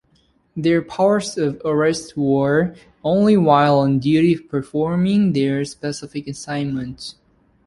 Their powers of arrest were only while on duty performing their specific assignments.